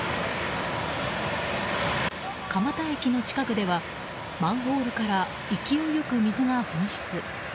蒲田駅の近くではマンホールから勢いよく水が噴出。